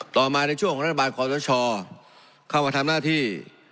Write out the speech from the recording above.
ต่อมาในช่วงของรัฐบาลคอสชเข้ามาทำหน้าที่